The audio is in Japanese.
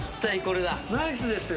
ナイスですよ。